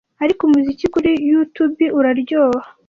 ariko umuziki kuri yutubi uraryoha